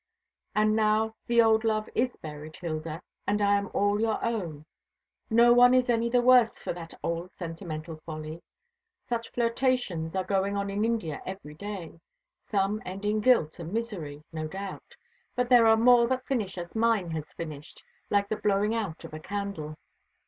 And now the old love is buried, Hilda, and I am all your own. No one is any the worse for that old sentimental folly. Such flirtations are going on in India every day. Some end in guilt and misery, no doubt; but there are more that finish as mine has finished, like the blowing out of a candle.